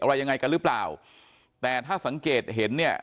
อะไรยังไงกันหรือเปล่าแต่ถ้าสังเกตเห็นเนี่ย